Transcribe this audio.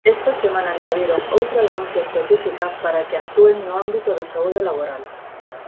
Esta semana engadiron outra denuncia específica para que actúen no ámbito da saúde laboral.